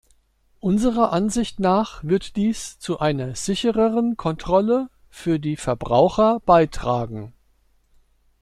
Unserer Ansicht nach wird dies zu einer sichereren Kontrolle für die Verbraucher beitragen.